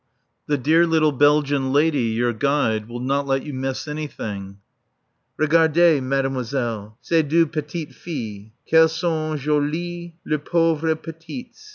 The dear little Belgian lady, your guide, will not let you miss anything. "_Regardez, Mademoiselle, ces deux petites filles. Qu'elles sont jolies, les pauvres petites.